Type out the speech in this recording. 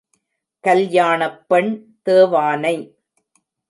கல்யாணப் பெண் தேவானை!